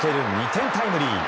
２点タイムリー。